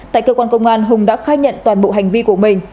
tại cơ quan công an hùng đã khai nhận toàn bộ hành vi của mình